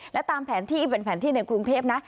และตามแผนที่เป็นแผนที่ในกรุงเทพนะ